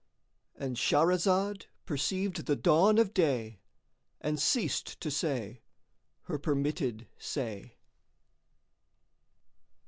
——And Shahrazad perceived the dawn of day and ceased to say her permitted say.